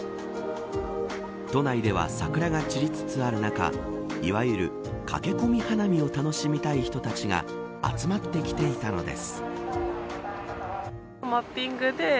都内では桜が散りつつある中いわゆる駆け込み花見を楽しみたい人たちが集まってきていたのです。